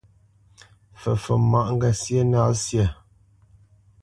Fǝfot máʼ ŋgasyé na syâ.